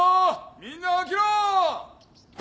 みんな起きろ！